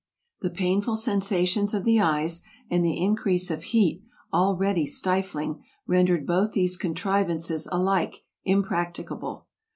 The painful sensations of the eyes, and the increase of heat, already stifling, rendered both these contrivances alike impracti cable.